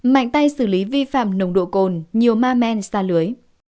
mạnh tay xử lý vi phạm nồng độ cồn nhiều ma men xa lưới